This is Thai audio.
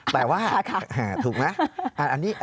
แต่ว่าถูกไหม